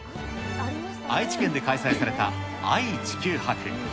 愛知県で開催された愛・地球博。